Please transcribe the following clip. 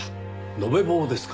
延べ棒ですか。